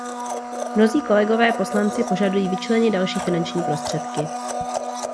Mnozí kolegové poslanci požadují vyčlenit další finanční prostředky.